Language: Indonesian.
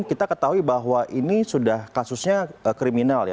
kita ketahui bahwa ini sudah kasusnya kriminal ya